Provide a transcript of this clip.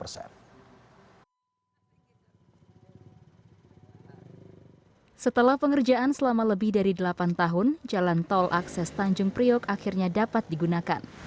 setelah pengerjaan selama lebih dari delapan tahun jalan tol akses tanjung priok akhirnya dapat digunakan